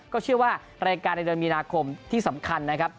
ก็เชื่อว่ารายการในเดือนมีนาคมที่สำคัญนะครับ